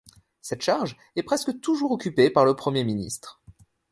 Cette charge est presque toujours occupée par le Premier ministre.